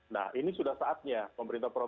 nah ini sudah saatnya